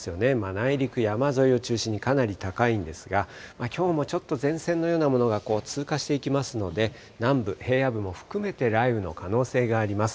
内陸山沿いを中心にかなり高いんですが、きょうもちょっと前線のようなものが通過していきますので、南部、平野部も含めて、雷雨の可能性があります。